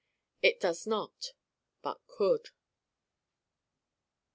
It does not: but could.